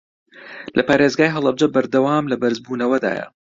لە پارێزگای هەڵەبجە بەردەوام لە بەرزبوونەوەدایە